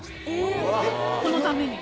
このために？